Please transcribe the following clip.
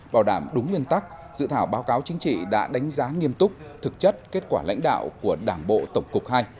bảo đảm đúng nguyên tắc dự thảo báo cáo chính trị đã đánh giá nghiêm túc thực chất kết quả lãnh đạo của đảng bộ tổng cục ii